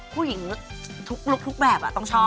ผู้หญิงทุกแบบต้องชอบ